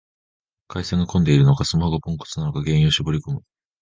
回線が混んでるのか、スマホがポンコツなのか原因を絞りこむ